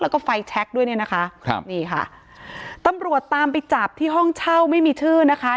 แล้วก็ไฟแช็คด้วยเนี่ยนะคะครับนี่ค่ะตำรวจตามไปจับที่ห้องเช่าไม่มีชื่อนะคะ